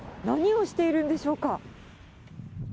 何をしているんでしょうか。